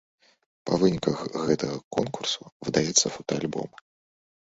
Па выніках гэтага конкурсу выдаюцца фотаальбомы.